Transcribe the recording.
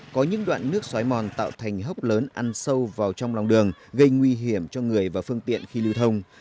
có những đoạn nước xói mòn tạo thành hốc lớn ăn sâu vào trong lòng đường gây nguy hiểm cho người và phương tiện khi lưu thông